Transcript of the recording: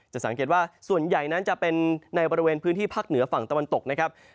สังเกตว่าส่วนใหญ่นั้นจะเป็นในบริเวณพื้นที่ภาคเหนือฝั่งตะวันตกนะครับ